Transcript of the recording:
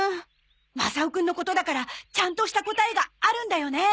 マサオくんのことだからちゃんとした答えがあるんだよね？